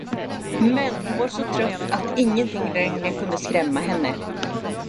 Men hon var så trött, att ingenting längre kunde skrämma henne.